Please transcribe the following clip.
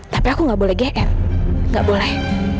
tapi aku gak boleh gm gak boleh